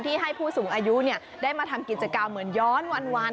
ให้ผู้สูงอายุได้มาทำกิจกรรมเหมือนย้อนวัน